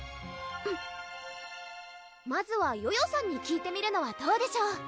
まずはヨヨさんに聞いてみるのはどうでしょう？